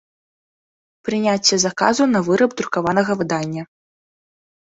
Прыняцце заказу на выраб друкаванага выдання